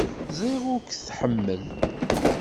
Ẓriɣ ur k-tḥemmel.